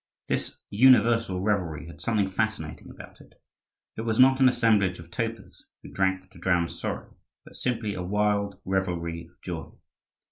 This universal revelry had something fascinating about it. It was not an assemblage of topers, who drank to drown sorrow, but simply a wild revelry of joy.